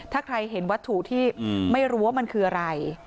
ถ้าใครเห็นวัตถุที่ไม่รู้ว่ามันคืออะไร